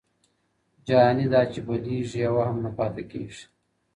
جهاني دا چي بلیږي یوه هم نه پاته کیږي